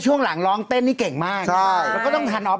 จับอ๊อบไม่ต้องไปถามไม่ต้องไปตอบ